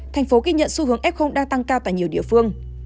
tp hcm ghi nhận xu hướng f đang tăng cao tại nhiều địa phương